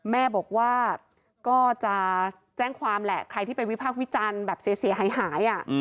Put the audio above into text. แม่บอกว่าก็จะแจ้งความแหละใครที่ไปวิพากษ์วิจารณ์แบบเสียหาย